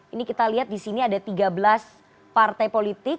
ini kita lihat di sini ada tiga belas partai politik